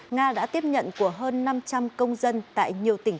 nga đã tiếp nhận của hơn năm trăm linh công dân tại nhiều tỉnh